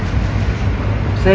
saya juga sangat menyesalkan